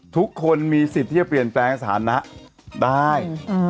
ทุกคนมีสิทธิ์ที่จะเปลี่ยนแปลงสถานะได้